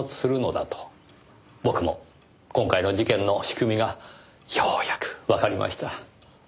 僕も今回の事件の仕組みがようやくわかりました。